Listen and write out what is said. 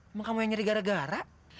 emang kamu yang nyeri gara gara